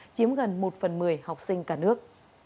chiếm gần một phần một mươi học sinh cả nước